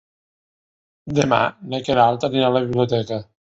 Demà na Queralt anirà a la biblioteca.